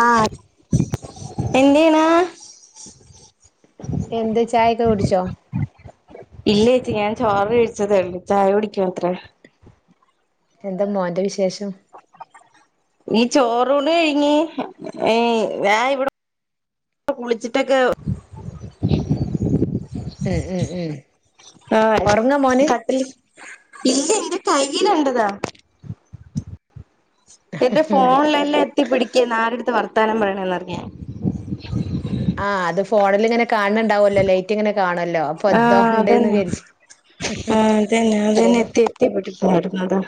ആഹ എന്ത് ചെയണ് എന്ത് ചായൊക്കെ കുടിച്ചോ ഇല്ല ചേച്ചി ഞാൻ ചോറ് കഴിച്ചതേ ഉള്ളൂ ചായ കുടിക്കും അത്രേ എന്താ മോന്റെ വിശേഷം നീ ചോറൂണ് കഴിഞ് ഹേ ദാ ഇവിടെ കുളിച്ചിട്ടൊക്കെ ഉം ഉം ഉം ആഹ ഒറങ്ങാ മോന് കട്ടില് ഇല്ല ഇന്റെ കയ്യിലുണ്ടതാ എന്റെ ഫോണിലെല്ലാം എത്തി പിടിക്കന്ന് ആരുടുത്ത് വർത്താനം പറയണന്ന്അറിയാൻ ആഹ് അത് ഫോണിലിങ്ങനെ കാണണ്ടാവുമല്ലോ ലൈറ്റ് ഇങ്ങനെ കാണുമല്ലോ ആഹ അതന്നെ ആഹ അതന്നെ ചെറിയ അതന്നെ മക്ക എത്തി എത്തിപ്പെട്ടിട്ടായിരുന്നതാ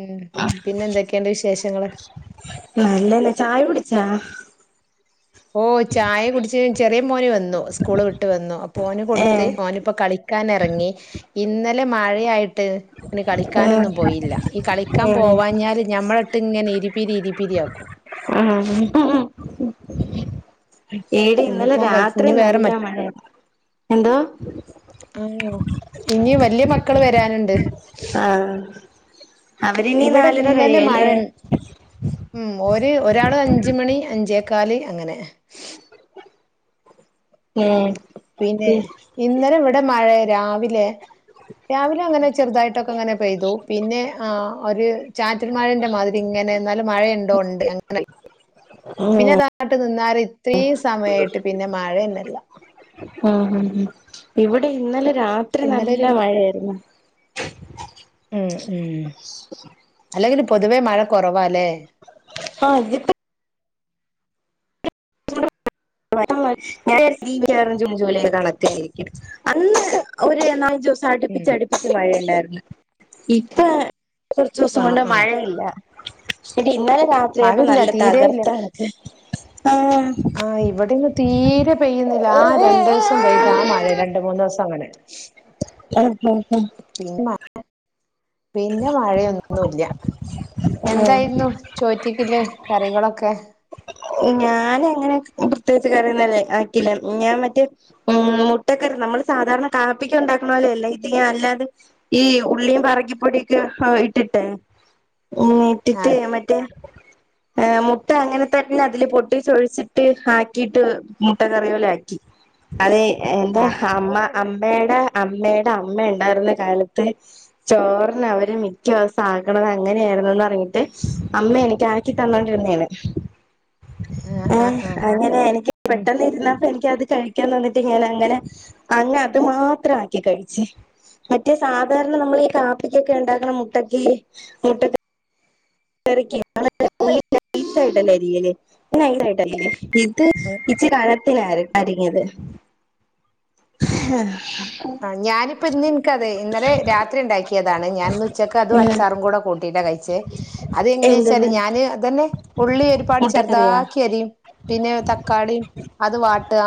ഉം പിന്നെ എന്തൊക്കെയണ്ട് വിശേഷങ്ങൾ നല്ലന്നെ ചായ കുടിച്ചാ ഓഹ ചായ കുടിച്ച് ചെറിയ മോന് വന്നു സ്കൂള് വിട്ട് വന്നു അപ്പൊ ഓന് ഏ കൊടുത്ത് ഓനിപ്പോകളി ക്കൻ ഇറങ്ങി ഇന്നലെ മഴയായിട്ട് ഒന് ഏ കളിക്കാനൊന്നും പോയില്ല ഈ കളിക്കാൻ ഏ പോവാഞ്ഞാല് ഞമ്മളിട്ട് ഇങ്ങനെ ഇരിപ്പിരി ഇരിപ്പിരിയാക്കും ആഹ [unintelligible] എടി ഇന്നലെ ഇന്നിപ്പോൻ കളിച്ച് രാത്രി ഇനി വേറെ നല്ല മ മഴയാണ് എന്തോ ആണോ ഇനി വലിയ മക്കള് വരാനുണ്ട് ആഹ അവര്നി ഇവിടെ നാലര ഇന്നലെ മഴ കഴിയല്ലേ ഉം ഒര് ഒരാള് അഞ്ച മണി അഞ്ചേക്കാല് അങ്ങനെ ഉം പിന്നെ ഉം ഇന്നലെ ഇവിടെ മഴ രാവിലെ രാവിലെ അങ്ങനെ ചെറുതായിട്ടൊക്കെങ്ങനെ പെയ്തു പിന്നെ ആഹ ഒരു ചാറ്റൽ മഴന്റെ മാതിരി ഇങ്ങനെ എന്നാലും മഴയ ഉണ്ടോ ഉണ്ട് അല്ല ഉം ഉം പിന്നെതാട്ട് നിന്നാൽ ഇത്രയും സമയായിട്ട് പിന്നെ മഴന്നെയില്ല അഹ ഇവിടെ ഇന്നലെ രാത്രി ഇന്നലെ നല്ല ഒരു മഴയായിരുന്നു ഉം ഉം അല്ലെങ്കിലും പൊതുവേ മഴ കുറവാല്ലേ ആഹ ഞ്പ്പോ [unintelligible] ജൂൺ ജൂലൈ കണക്കാരിക്കും അന്ന് ഒരു നാലഞ്ചു ദിവസ ഉം അടിപ്പിച്ച് അടുപ്പിച്ച് മഴയുണ്ടായിരുന്നു ഇപ്പൊ കുറച്ച ദിവസം ആഹ് കൊണ്ട് ആഹ് മഴയില്ല എടി ഇന്നലെ രാത്രിയപ്പ മഴയില്ല നല്ല തീരെയില്ല തകർത്തണക്കെ ആഹ ആഹ് ഇവിടെന്ന് തീരെ പെയ്യുന്നില്ല ആ ര ണ്ടൂസം പെയ്ത ആ മഴെ രണ്ട് മൂന്നൂസം അങ്ങനെ അഹ് ഹു ഹും പിന് മ പിന്നെ മഴയൊന്നുല്ല. ആഹ് എന്തായിരുന്നു ചോറ്റ്ക്ക് ഇല്ലെ കറികളൊക്കെ ഞാനങ്ങനെ പ്രത്യേകിച്ച് കറിയൊന്നല്ലേ ആക്കില്ല ഞാൻ മറ്റേ ഉം മുട്ടക്കറി നമ്മള് സാധാരണ കാപ്പിക്കുണ്ടാക്കണ പോലെ അല്ല ഇത് ഞാൻ അല്ലാതെ ഈ ഉള്ളിയും പറങ്കിപ്പൊടിയൊക്കെ ഇട്ടിട്ടെ ഉം ഇട്ടിട്ട് ആഹ് മറ്റേ ഏഹ് മുട്ട അങ്ങന തന്നെ അതില് പൊട്ടിച്ച് ഒഴിച്ചിട്ട് ആക്കിട്ട് മുട്ട കറി പോലെ ആക്കി. അതെ എന്റെ ആഹ് അമ്മ അമ്മേടെ അമ്മേടെ അമ്മ ഉണ്ടായിരുന്ന കാലത്ത് ചോറിനവര് മിക്ക ദിവസും ആക്ക്ണത് അങ്ങനെയാണെന്നെന്ന് പറഞ്ഞിട്ട് അമ്മയെനിക്ക് ആ ക്ക് തന്നോണ്ടിരുന്നയാണ് ആഹ് ആഹ് ഏഹ് ആഹ് അങ്ങനെ എനിക്ക് ഉം പെട്ടെന്ന് ഇരുന്നപ്പ എനിക്കത് കഴി ഴിക്കാൻതന്നിട്ട് ഞാൻ അങ്ങനെ അങ്ങ് അത് മാത്ര ആക്കി കഴിച്ച് മറ്റേ സാധാരണ നമ്മൾ ഈ കാപ്പിക്കൊക്കെ ഉണ്ടാക്ക്ണ മുട്ടക്ക് മുട്ടക്ക് [unintelligible] ഉള്ളി നൈസായിട്ടല്ലേ അരി രിയല് [unintelligible] നൈസായിട്ടല്ലേ. ഇത് ഉം ഇച്ചിരി കനത്തിനാരി അരിഞ്ഞത്. ആഹ് ഞാനിപ്പോ ഇന്ന് ഇൻക്കതെ ഇന്നലെ രാത്രി ഇണ്ടാക്കിയതാണ് ഞാൻ ഇന്ന് ഉച്ചക്ക് അതും അ ഉം ച്ചാറും കൂടെ കൂട്ടിട്ട കഴിച്ചേ അത് എങ്ങനെ വെച്ചാല് എന്തെന്ന് ഞാന് അതന്നെ ഉള്ളി ഒരുപാട് മുട്ടക്കറിയോ ചെറുതാക്കി അരിയും പിന്നെ തക്കാളിം അത് വാട്ടാ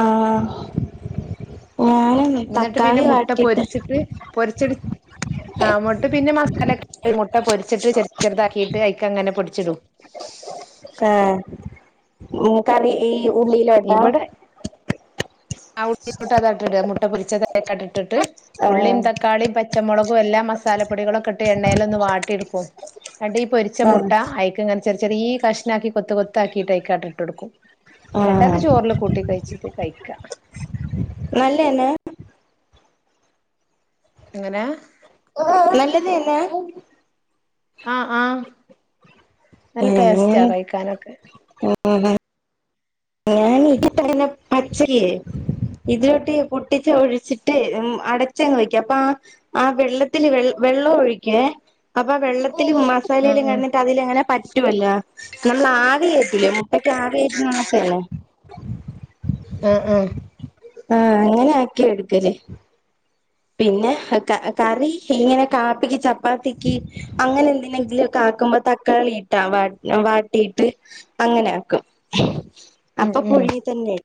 ആഹ് ഞാനു അങ്ങ തക്കാളി വാട്ടിയിട്ട് ട്ട് പൊരിച്ചടി ആഹ് മുട്ട പിന്നെ മസാലാക്കീട്ട് മുട്ട പൊരിച്ചിട്ട് ചെറ് ചെറുതാക്കിട്ട് അയ്ക്കങ്ങനെ പൊടിച്ചിടും ഏഹ് മു കറി ഈ ഉള്ളീലോ ഇവടെ. [unintelligible] അതാട്ട് ഇട. മുട്ട പൊരിച്ചതയ്ക്കാട്ട് ഇട്ടിട്ട് ആഹ് ഉള്ളിം തക്കാളിം പച്ചമുളകും എല്ലാം മസാലപ്പൊടികളൊക്കെ ഇട്ട് എണ്ണയിലൊന്ന് വാട്ടിയെടുക്കും. ന്നട്ട് ഈ പൊരിച്ച ആഹ് മുട്ട അയിക്ങ്ങനെ ചെറ് ചെറിയ കഷ്ണാക്കി കൊത്ത് കൊത്താക്കിയിട്ട് അയ്ക്കാട്ട് ഇട്ടൊടുക്കും ഇന്നെട്ടത് ആഹ് ചോറിൽ കൂട്ടി കൊഴച്ചിട്ട് കഴിക്കാ. നല്ലതന്നെ? എങ്ങനാ നല്ലത് തന്നെ? ആഹ് ആഹ്. നല്ല ടേസ്റ്റാ കഴിക്കാനൊക്കെ. ഉം ഹും ഞാൻ [unintelligible] പച്ചക്ക് ഇതിലോട്ട് പൊട്ടിച്ച് ഒഴിച്ചിട്ട് ഉം അടച്ചങ്ങ് ഒഴിക്കാം അപ്പ ആ ആഹ് വെള്ളത്തില് വെള് വെള്ളവും ഒഴിക്ക്വേ അപ്പൊ ആ വെള്ള ത്തിലും ആ മസാലയിലും ആ കെടന്നിട്ട് അതിലങ്ങനെ പറ്റുവല്ലോ നമ്മൾ ആവികേറ്റൂലേ മുട്ടക്കാവികേറ്റ്ണ കേണ്. ആഹ് ആഹ് ആഹ് അങ്ങനെ ആക്കി എടുക്കല് പിന്നെ ക കറി ഇങ്ങനെ കാപ്പിക്ക് ചപ്പാത്തിക്ക് അങ്ങനെ എന്തെങ്കിലൊക്കെ ആക്കുമ്പോ തക് ക്കാളിയിട്ടാ വാ വാട്ടിട്ട് അങ്ങനെ ആക്കും ഉം അപ്പൊ ഉം പുഴുങ്ങി തന്നെ,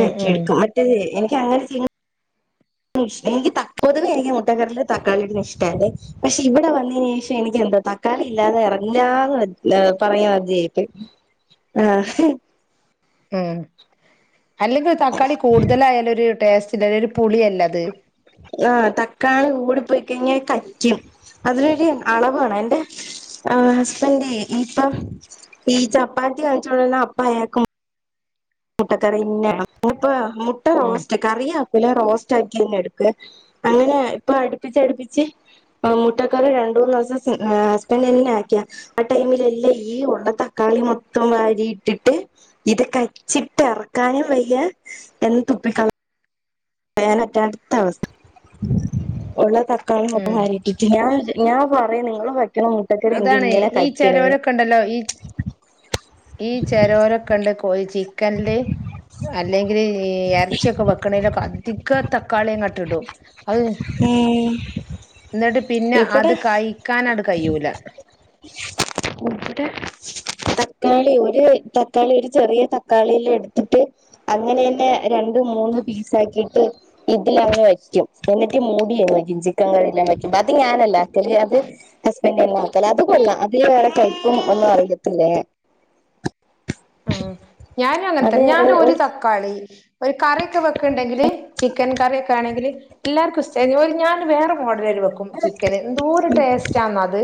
ഉം ഉം എടുക്കും മറ്റേത് എനിക്കങ്ങനെ ചെയ്യ് ന്നും എനിക്ക് തക് പൊതുവേ എനിക്ക് മുട്ടക്കറീല് തക്കാളി ഇടുന്ന ഇഷ്ട അല്ലേ പക്ഷെ ഇവിടെ വന്നേന് ശേഷം എനിക്ക് എന്താ തക്കാളി ഇല്ലാതെ ഇറങ് ഞ്ഞാന്ന് പറയ്ഞ്ഞ മാതിരിയായിപ്പോയി ആഹ് ഹ് ഉം അല്ലെങ്കി തക്കാളി കൂടുതലായാലൊര് ടേസ്റ്റ്ല്ല ഒരു പുളിയല്ലത് ആഹ് തക്കാളി കൂടി പ്പൊയ്ക്കഴ്ഞ്ഞാ കക്കും അതിനൊര് അളവേണം അയിന്റെ ആഹ് ഹസ്ബന്റെ ഈപം ഈ ചപ്പാത്തി കഴിച്ചോണ്ടിര്ന്ന അപ്പയാക്ക് മുട്ടക്കറിന്നെ ണം മുപ്പ മുട്ട ഉം റോസ്റ്റ് കറിയാക്കൂല. റോസ്റ്റ് ആക്കി അങ്ങെട്ക്ക്യെ അങ്ങനെ ഇപ്പൊ അടുപ്പിച്ചടുപ്പിച്ച് ആഹ് മുട്ടക്കറി രണ്ടൂന്നൂസം ആഹ് ഹസ്ബന്റന്നെ ആക്ക്യ ആഹ് ടൈമില് എല്ല ഈ ഒള്ള തക്കാളി മൊത്തം വാരിയിട്ടിട്ട് ഇത് ക ച്ചിട്ട് എറക്കാനും വയ്യ എന്ത് തുപ്പിക്കള കളയാൻ പറ്റാത്ത അവസ്ഥ ഒള്ള തക്കാളി മൊത്തം ഉം വാരിറ്റിട്ട് ഞാൻ ഞാൻ പറയ്ണ് ഇങ്ങള് വെക്ക്ണ മു അതാണ് ഈ ചെലോരക്ക ഇണ്ടല്ലൊ ഈച് ഈ ചെരോരക്കണ്ട് കോഴി ചിക്കൻല് അല്ലെങ്കില് ഈ എറച്ചിയൊക്ക വെക്കണേലൊക്ക അധി തികം തക്കാളിയങ്ങ്ട്ട് ഇടും അയ് ഉം ഇന്ന്ട്ട് പിന്ന അത് ഇവിടെ കഴിക്കാനട് കയ്യൂല [unintelligible] തക്കാളി ഒര് തക്കാളി ഒര് ചെറിയ തക്കാളീല് എട്ത്തിട്ട് അങ്ങനെയെന്നെ രണ്ട് മൂന്ന് പീസാക്കീട്ട് ഇതിലങ് വയ്ക്കും എന്നിട്ട് മൂടിയങ്ങ് വയ്ക്കും ചിക്കങ്ങളെല്ലാം വെക്കും അത് ഞാനല്ല ക്കല് അത് ഹസ്ബെന്റന്ന വെക്കല് അത് കൊള്ളാം അതില് വേറെ കയ്പ്പും ഒന്നും അറിയത്തില്ല ഞാൻ ആഹ് ഞാനും അങ്ങൻ അത് തൻ ഒരു ഞാനൊര് ഒരു തക്കാളി ഒരു കറിയൊക്ക വെക്ക്ണ്ണ്ടെങ്കില് ചിക്കൻ കറിയൊക്കാണെങ്കില് എല്ലാർക്കും ഇഷ്ടാ ഞാൻ വേറെ മോഡലേൽ വെക്കും ചിക്കന് എന്തോര് ടേസ്റ്റാന്നൊ അത്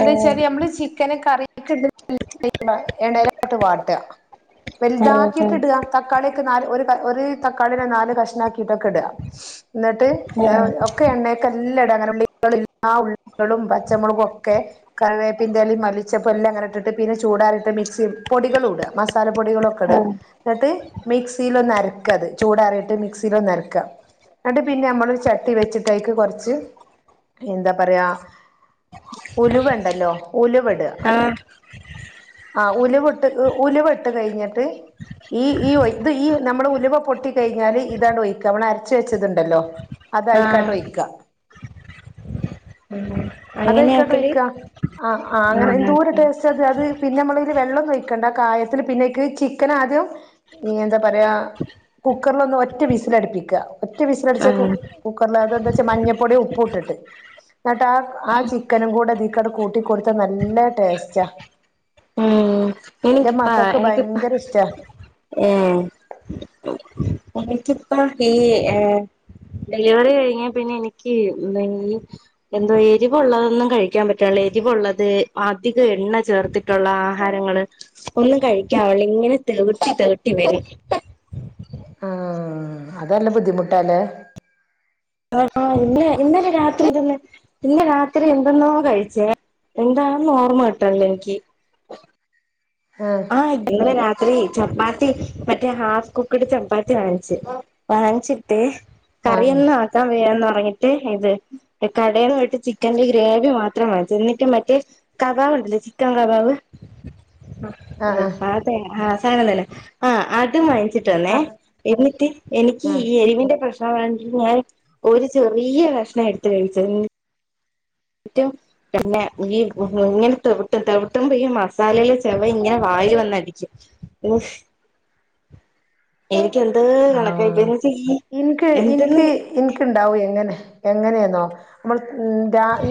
ആഹ് ഞമ്മള് ചിക്കന് കറിയൊക്ക [unintelligible] എണ്ണെലിട്ട് വാട്ടും വൽതാക്കിട്ട് ആഹ് ഇട തക്കാളിയൊക്ക നാല് ഒരു ത ഒര് തക്കാളിന്നെ നാല് കഷ്ണാക്കിയിട്ടൊക്ക ഇട ഇന്ന്ട്ട് ഒക്ക എണ്ണേക്കെല്ലട അങ്ങനെ ഉള്ളി [unintelligible] പച്ചമൊളകും ഒക്കെ കറിവേപ്പി പ്പിന്റലിം മല്ലിച്ചപ്പും എല്ലാ ഇങ്ങന ഇട്ട്ട്ട് പിന്നെ ചൂടാറീട്ട് മിക്സി പൊടികളൂട മസാല പൊടികളൊ ക്കട ഇന്നിട്ട് മിക്സീലൊന്നരക്കത് ചൂടാറീട്ട് മിക്സീലൊന്നരക്ക ഇന്ന്ട്ട് പിന്നെ അമ്മളൊരു ചട്ടി വെച്ചിട്ടയ്ക്ക് കൊറ്ച്ച് എന്ത പറയാ ഉലുവണ്ടല്ലൊ ഉലുവ ഇട ആഹ് ആഹ് ആഹ് ഉലുവട്ട് ഉലുവട്ട് കഴ്ഞ്ഞിട്ട് ഈ ഈ ഇത് ഈ നമ്മള് ഉലുവ പൊട്ടി കഴ്ഞ്ഞാല് ഇതണ്ട് ഒഴിക്ക മ്മള് അരച്ച് വെച്ചത്ണ്ടല്ലൊ അതയ്ക്കട്ട് ആഹ് ഒയിക്ക ഉം അങ്ങനെ ആക്കല് അതയ്ക്കട്ടൊയ്ക്ക ആഹ് ആഹ് അങ്ങനെ എന്തോര് ടേസ് റ്റത് അത് പിന്ന ഞമ്മളയ്ല് വെള്ളന്നൊയിക്കണ്ട കായത്തിന് പിന്നെയ്ക്ക് ചിക്കനാദ്യം ഈ എന്ത പറയാ കുക്കറിലൊന്ന് ഒറ്റ വിസിലടിപ്പിക്ക ഒറ്റ വിസിലടിച്ച കു ആഹ് കുക്കറിനകത്തെന്താച്ചാ മഞ്ഞപ്പൊടീം ഉപ്പു ഇട്ടിട്ട് ഇന്ന്ട്ട് ആഹ് ആഹ് ചിക്കനും കൂട ഇതീക്കട് കൂട്ടി കൊട്ത്ത നല്ല ടേസ്റ്റ ഉം എനിക്കിപ്പാ മക്കൾക്ക് എനിക്കിപ്പ ഭയങ്കര ഇഷ്ടാ ഏഹ് എനിക്കിപ്പ ഈ ഏഹ് ഡെലിവറി കഴ്ഞ്ഞ പിന്ന എനിക്ക് [unintelligible] എന്തൊ എരിവുള്ളതൊന്നും കഴിക്കാൻ പറ്റൺല എരിവുള്ളത് അധികം എണ്ണ ചേർത്ത് ട്ടുള്ള ആഹാരങ്ങള് ഒന്നും കഴിക്കാവ്ള്ള ഇങ്ങനെ തെവ്ട്ടി തെവ്ട്ടി വരും ആഹ് അതല്ല ബുദ്ധിമുട്ടാല്ലേ ആഹ് ആഹ് ഇന്ന് ഇന്നലെ രാത്രി തിന്നെ പിന്നെ രാത്രി എന്തെന്നോ കഴ്ച്ചെ എന്താന്ന് ഓർമ്മ കിട്ട്ണ്ല്ല എനിക്ക് ആഹ് ആഹ് ഇന്നലെ രാത്രി ചപ്പാത്തി മറ്റേ ഹാഫ് കുക്കട് ചപ്പാത്തി വാങ്ങിച്ചു വാങ്ങിച്ചിട്ട് ആഹ് കറിയൊന്നും ആക്കാൻ വയ്യാന്നു പറഞ്ഞിട്ട് കടയിൽ പോയിട്ട് ചിക്കന്റെ ഗ്രേവി മാത്രം വാങ്ങിച്ചു എന്നിട്ട് മറ്റേ കബാബില്ലേ ചിക്കൻ കബാവ് ആഹ് അത ആഹ സാധനം തന്നെ ആഹ് അതും വാങ്ങിച്ചു ആഹ് എന്നിട്ട് എനിക്ക് ആഹ് ഈ എരിവിന്റെ പ്രശ്ന ങ്ക ഞാൻ ഒരു ചെറിയ കക്ഷ്ണം എടുത്ത കഴിച്ച [inaudible] പിന്നെ ഈ ഇങ്ങനെ തവിട്ടും തവിട്ടുമ്പോ ഈ മസാലയിലെ ചെവ ഇങ്ങനെ വായി വന്നിരിക്കും എനക്ക് എന്ത് കണക്കായിട്ട ചെയ്യ എനിക്ക് എനിക്ക് എനിക്ക് ഉണ്ടാവും എങ്ങനെ എങ്ങനെയെന്നോ നമ്മൾ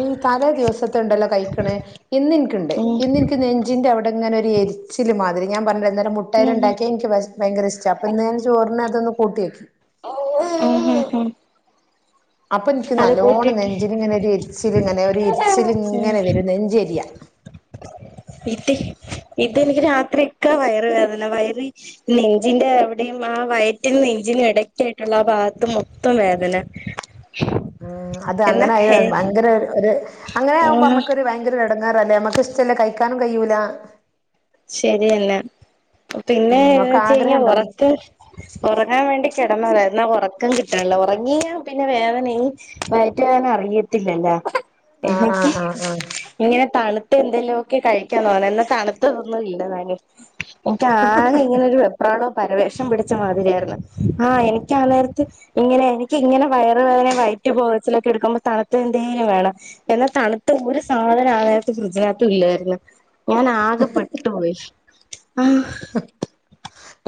ഈ തലേ ദിവസത്ത ഉണ്ടല്ലോ കഴിക്കണ ഇന്ന് എനിക്കുണ്ട് ഉം ഇന്ന് എനിക്ക് ന നെഞ്ചിൻ്റെ അവിടെങ്ങനെ ഒരു എരിച്ച മാതിരി ഞാൻ പറഞ്ഞില്ല അന്നെരം മുട്ടൽ ഉം ഉണ്ടാക്കിയ എനിക്ക് ഭയങ്കര ഇഷ്ട അപ്പം ഞാ ചോറിനെ അതൊന്ന് കൂട്ടിയാക്കി ഉം ഉം ഉം അപ്പൊ എനിക്ക് അത് നല്ലോണ്ണം കൂട്ടിട്ട് നെഞ്ചില ഇങ്ങനെ ഒരു എരിച്ചില ഇങ്ങനെ ഒരു എരിച്ചില ഉം ഇങ്ങനെ വരും നെഞ്ചരിയാ ഇത് ഇതെനിക്ക് രാത്രി ഒക്കാ വയറ് വേദന വയറി നെഞ്ചിന്റെ എവിടെയും ആ വയറ്റിനും നെഞ്ചിനും ഇടക്കായിട്ടുള്ള ആ ഭാഗത്ത മൊത്തം വേദന ഉം അത് എന്നാ അങ്ങനെ ഹേ ഭയങ്കര ഒരു അങ്ങനെ ആകുമ്പോ ആഹ് നമ്മക്കൊ ഒരു ഭയങ്കര തുടങ്ങാറല്ലേ നമ്മക്ക് ഇഷ്ടല്ലേ കഴിക്കാനും കഴൂല ശരിയല്ല പിന്നെ ഉം എന്ന് ഒക്കെ വച്ച കഴിഞ്ഞാ ആഗ്രഹം ഉണ്ടാവും ഉറക്കം ഉറങ്ങാൻ വേണ്ടി കിടന്നത എന്നാ ഉറക്കം കിട്ടണല്ലോ ഉറങ്ങിയ പിന്നെ വേദന മയറ്റാനൻ അറിയത്തില്ലല്ലോ ആഹ് എനിക്ക് ആഹ് ആഹ് ആഹ് ഇങ്ങനെ തണുത്ത എന്തെലുമൊക്കെ കഴിക്കാൻ തോന്ന എന്നാ തണു [unintelligible] എനിക്ക് ആകെ ഇങ്ങനെ ഒരു വെപ്രാളോം പരവേഷം പിടിച്ച മാതിരിയായിരുന്നു ആഹ എനിക്കാ നേരത്തെ ഇങ്ങനെ എനിക്ക് ഇങ്ങനെ വയറ വേദന വയറ്റ് പോകച്ചിലൊക്കെ എടുക്കുമ്പോ തണുത്ത എന്തേങ്കിലും വേണം എന്നാൽ തണുത്ത ഒരു സാധനം ആ നേരത്ത് ഫ്രിഡിജനകത്ത് ഇല്ലായിരുന്നു ഞാൻ ആ ആകെ പെട്ടുപോയി ആഹ്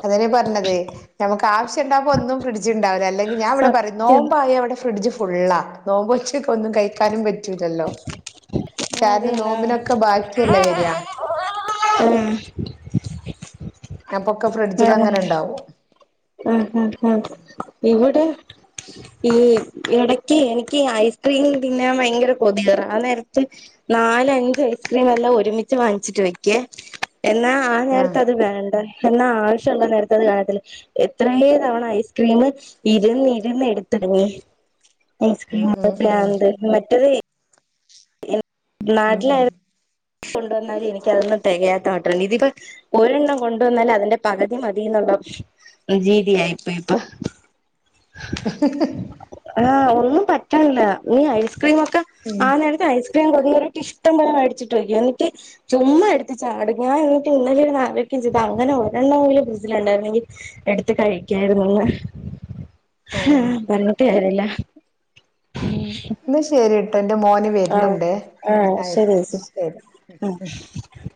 അതെ പറഞ്ഞത് നമക്ക് ആവശ്യംണ്ടാകുമ്പ ഒന്നും ഫ്രിഡ്ജ് ഉണ്ടാവില്ല അല്ലെ ഞാൻ ഇവിടെ പറയും സത്യം നോമ്പ ആയ അവിടെ ഫ്രിഡ്ജ് ഫുള്ളാ നോമ്പ് ക്ക ഒന്നും കഴിക്കാനും പറ്റൂല്ലല്ലോ കാരണം നോമ്പിനൊക്കെ ബാക്കിയല്ലേ വരിയാ ആഹ ഞാപ്പൊക്കെ ഫ്രിഡ്ജിൽ അങ്ങനെ ഉണ്ടാവും മ്മ്ഹ് ഉം ഇവിടെ ഈ ഇടക്ക് എനിക്ക് ഐസ്ക്രീ തിന്നാൻ ഭയങ്കര കൊതിയ ആ നേരത്തെ നാല് അഞ്ച് ഐസ്ക്രീം എല്ലാം ഒരുമിച്ച് വാങ്ങിച്ചിട്ട് വെക്കേ എന്നാ ആഹ് നേരത്തെ അത് വേണ്ട എന്നാ ആവശ്യള്ള നേരത്തെ അത് കാണത്തില്ല എത്രയ തവണ ഐസ്ക്രീം ഇരുന്നിരുന്ന് എടുത്തിടങ്ങി ഉം ഐസ്ക്രീം ഉം ഉം പ്രാന്ത് മറ്റരു ഉം നാട്ടില കൊണ്ട വന്നാൽ എനിക്കത് തികയാത്തയാ ഇതിപ്പ ഒരെണ്ണം കൊണ്ട വന്നാല അതിന്റെ പകുതി മതിയന്നുള്ള രീതി ആയിപ്പോയി ഇപ്പൊ ഇപ്പൊ ആഹ് ഒന്നും പറ്റണില്ല ഈ ഐസ്ക്രീമ ഒക്കെ ഉം ആനേരത്ത് ഐസ്ക്ര [unintelligible] ഇഷ്ടംപോലെ മടിച്ചട്ടക്ക എനിക്ക് ചുമ്മാ എടുത്തി ചാടങ്ങാൻ എന്നിട്ട് ഇന്നലെ ആലോചിക്കേം ചെയ്ത അങ്ങനെ ഒരെണ്ണമെങ്കിലും ഈ ഫ്രിഡ്ജ്ലുണ്ടായിരുന്നെങ്കിൽ എടുത്ത് കഴിക്കായിരുന്നുന്ന് ആഹ് പറരഞ്ഞിട്ട് കാര്യല്ല ഇന്നാ ശരിട്ടൊ എന്റെ മോന് വെരുന്ന്ണ്ടെ ചായ ശരി കോടുക്കട്ടെ ചേച്ചി ശരി ആഹ്